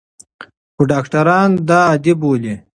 خو ډاکټران دا عادي بولي.